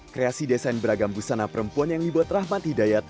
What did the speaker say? kreasi desain beragam busana perempuan yang dibuat rahmat hidayat